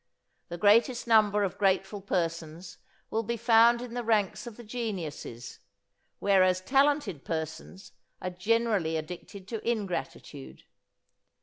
The greatest number of grateful persons will be found in the ranks of the geniuses, whereas talented persons are generally addicted to ingratitude.